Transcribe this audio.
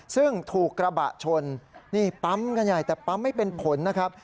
ซึ่งถูกกระบะชนนี่ปั๊มกันใหญ่แต่ปั๊มไม่เป็นผลนะครับ